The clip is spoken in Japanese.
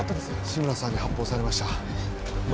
志村さんに発砲されましたえっ？